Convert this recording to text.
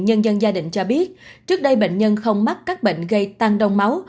nhân dân gia đình cho biết trước đây bệnh nhân không mắc các bệnh gây tăng đông máu